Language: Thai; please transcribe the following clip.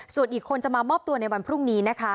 ส่วนอีกคนจะมามอบตัวในวันพรุ่งนี้นะคะ